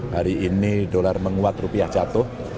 hari ini dolar menguat rupiah jatuh